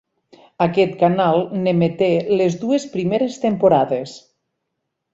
Aquest canal n'emeté les dues primeres temporades.